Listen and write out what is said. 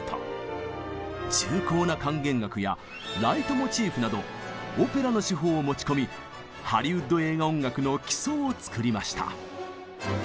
重厚な管弦楽や「ライトモチーフ」などオペラの手法を持ち込みハリウッド映画音楽の基礎を作りました。